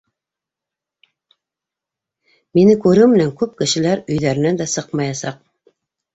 Мине күреү менән күп кешеләр өйҙәренән дә сыҡмаясаҡ.